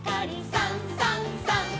「さんさんさん」